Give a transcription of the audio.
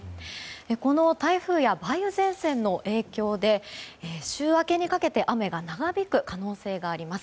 この台風や梅雨前線の影響で週明けにかけて雨が長引く可能性があります。